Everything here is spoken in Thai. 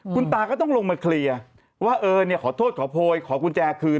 คุณตาก็ต้องลงมาเคลียร์ว่าเออเนี่ยขอโทษขอโพยขอกุญแจคืน